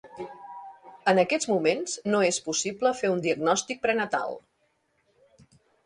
En aquests moments no és possible fer un diagnòstic prenatal.